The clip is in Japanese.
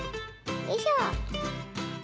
よいしょ。